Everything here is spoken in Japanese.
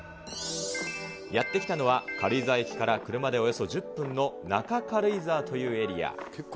やって来たのは、軽井沢駅から車でおよそ１０分の中軽井沢というエリア。